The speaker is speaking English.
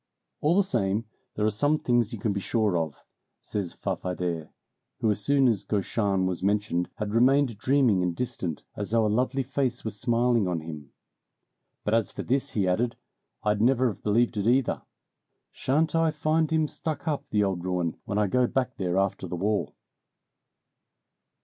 "All the same, there are some things you can be sure of," says Farfadet, who as soon as Gauchin was mentioned had remained dreaming and distant, as though a lovely face was smiling on him. "But as for this," he added, "I'd never have believed it either! Shan't I find him stuck up, the old ruin, when I go back there after the war!"